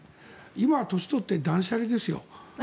今、年を取って断捨離ですよ。